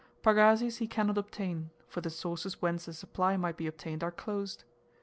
Pagazis he cannot obtain, for the sources whence a supply might be obtained are closed.